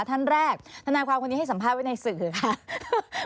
ท่านแรกธนายความคนนี้ให้สัมภาษณ์ไว้ในสื่อค่ะ